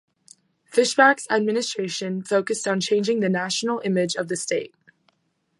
Fishback's administration focused on changing the national image of the state.